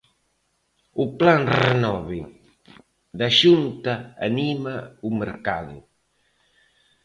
O plan Renove da Xunta anima o mercado.